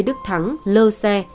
lê đức thắng lơ xe